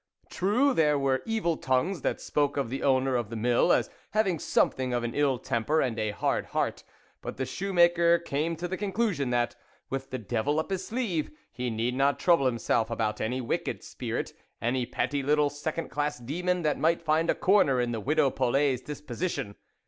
True there were evil tongues that spoke of the owner of the mill as having something of an ill temper and a hard heart ; but the shoe maker came to the conclusion that, with the devil up his sleeve, he need not trouble himself about any wicked spirit, any petty little second class demon that might find a corner in Widow Polet's disposition.